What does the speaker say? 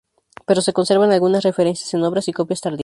Pero se conservan algunas referencias en obras y copias tardías.